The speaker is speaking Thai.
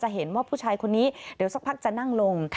เห็นว่าผู้ชายคนนี้เดี๋ยวสักพักจะนั่งลง